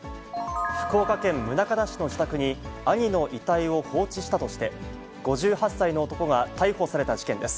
福岡県宗像市の自宅に、兄の遺体を放置したとして、５８歳の男が逮捕された事件です。